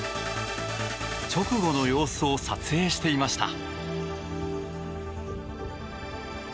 直後の様子を撮影していました。